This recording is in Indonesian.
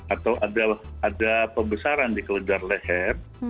atau ada pembesaran di keledar leher